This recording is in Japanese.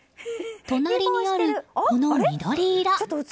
隣にあるこの緑色。